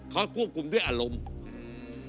เขาก็ควบคุมด้วยอารมณ์